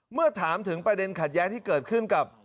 เมื่อถามถึงประเด็นขัดแย้งที่เกิดขึ้นกับ